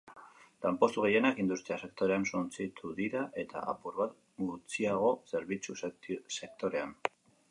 Lanpostu gehienak industria sektorean suntsitu dira eta apur bat gutxiago zerbitzu sektorean.